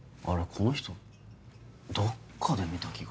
この人どっかで見た気が。